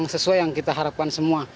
sesuai yang kita harapkan semua